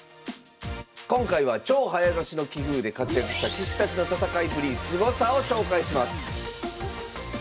今回は超早指しの棋風で活躍した棋士たちの戦いっぷりすごさを紹介します